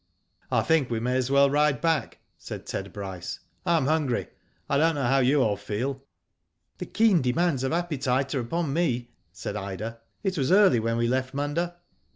"I think we may as well ride back/' said Ted Bryce. " I am hungry ; I don't know how you all feel/' The keen demands of appetite are upon me," said Ida. *' It was early when we left Munda."